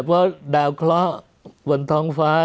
เพราะดาวเคราะห์บนท้องฟ้า